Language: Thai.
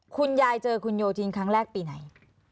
คุณยายเจอคุณโยธินครั้งแรกปีไหน